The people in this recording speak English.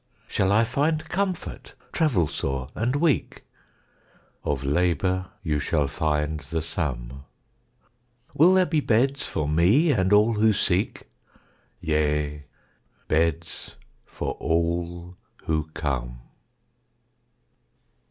Shall I find comfort, travel sore and weak? Of labor you shall find the sum. Will there be beds for me and all who seek? Yea, beds for all who come.